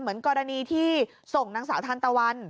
เหมือนกรณีที่ส่งนางสาวทันตะวัน